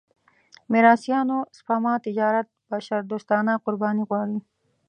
میراثيانو سپما تجارت بشردوستانه قرباني غواړي.